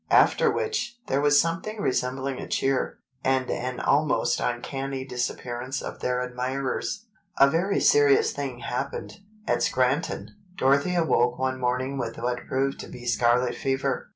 After which, there was something resembling a cheer, and an almost uncanny disappearance of their admirers. A very serious thing happened: At Scranton, Dorothy awoke one morning with what proved to be scarlet fever.